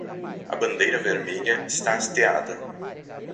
A bandeira vermelha está hasteada